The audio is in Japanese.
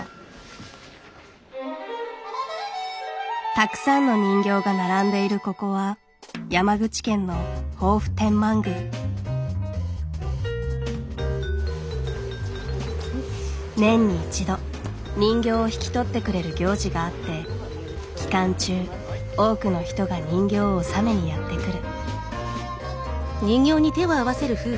たくさんの人形が並んでいるここは山口県の年に一度人形を引き取ってくれる行事があって期間中多くの人が人形を納めにやって来る。